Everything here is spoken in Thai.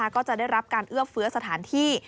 ก็จะได้รับการเอื้อเฟื้อสถานที่